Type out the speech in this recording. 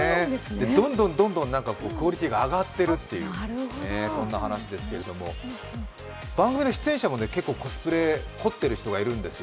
どんどん、どんどんクオリティーが上がっているという話ですけれども、番組の出演者も結構、コスプレ凝ってる人がいるんですよ。